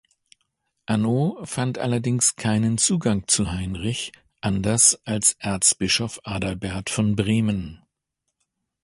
Anno fand allerdings keinen Zugang zu Heinrich, anders als Erzbischof Adalbert von Bremen.